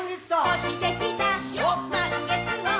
「おちてきたまんげつを」